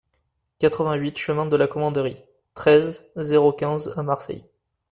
quatre-vingt-huit chemin de la Commanderie, treize, zéro quinze à Marseille